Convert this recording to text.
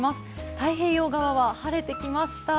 太平洋側は晴れてきました。